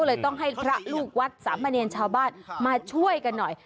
เลยต้องให้พระลูกวัดสามเณรชาวบ้านมาช่วยกันหน่อย